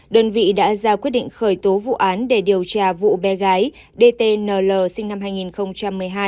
đơn vị đã ra quyết định khởi tố vụ án để điều tra vụ bé gái dtn l sinh năm hai nghìn một mươi hai